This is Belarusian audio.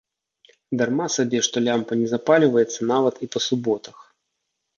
Дарма сабе што лямпа не запальваецца нават і па суботах.